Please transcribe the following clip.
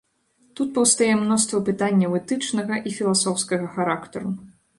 Тут паўстае мноства пытанняў этычнага і філасофскага характару.